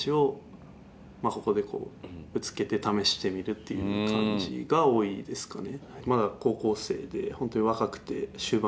っていう感じが多いですかね。